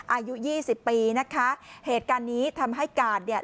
อายุยี่สิบปีนะคะเหตุการณ์นี้ทำให้กาดเนี่ย